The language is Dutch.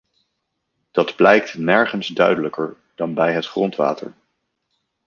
Dat blijkt nergens duidelijker dan bij het grondwater.